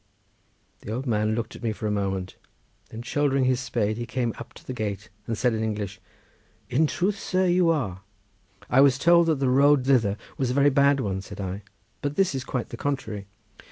The old man looked at me for a moment, then shouldering his spade he came up to the gate, and said in English, "In truth, sir, you are." "I was told that the road thither was a very bad one," said I, "but this is quite the contrary."